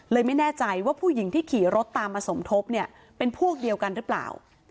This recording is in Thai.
ไม่แน่ใจว่าผู้หญิงที่ขี่รถตามมาสมทบเนี่ยเป็นพวกเดียวกันหรือเปล่า